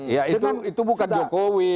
ya itu bukan jokowi